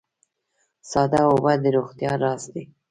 ساده اوبه د روغتیا راز دي